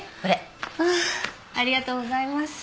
ありがとうございます。